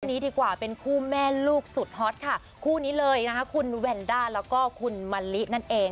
นี้ดีกว่าเป็นคู่แม่ลูกสุดฮอตค่ะคู่นี้เลยนะคะคุณแวนด้าแล้วก็คุณมะลินั่นเอง